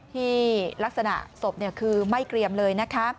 ที่ลักษณะศพคือไหม้เกรียมเลย